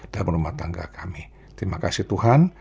dan rumah tangga kami terima kasih tuhan